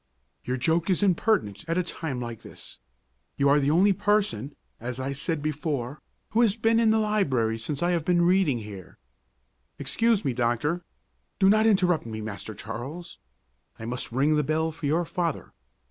"Your joke is impertinent at a time like this. You are the only person, as I said before, who has been in the library since I have been reading here " "Excuse me, doctor " "Do not interrupt me, Master Charles. I must ring the bell for your father.